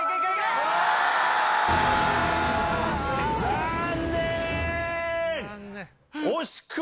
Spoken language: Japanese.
残念！